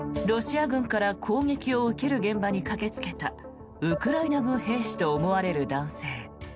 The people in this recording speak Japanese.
ロシア軍から攻撃を受ける現場に駆けつけたウクライナ軍兵士と思われる男性。